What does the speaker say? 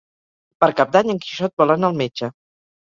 Per Cap d'Any en Quixot vol anar al metge.